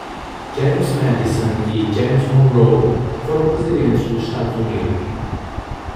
James Madison e James Monroe foram presidentes do Estados Unidos.